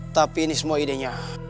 tapi ini semua idenya